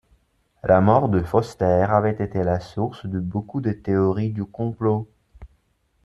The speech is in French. La mort de Foster avait été la source de beaucoup de théories du complot.